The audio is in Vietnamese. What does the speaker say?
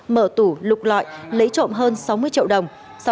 mở tủ lục lọi lấy trộm hơn sáu mươi triệu đồng